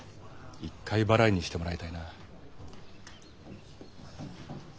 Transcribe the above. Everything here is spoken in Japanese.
１回払いにしてもらいたいな。